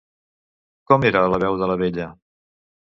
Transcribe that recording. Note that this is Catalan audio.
Com era la veu de la vella?